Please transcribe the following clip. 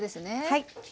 はい。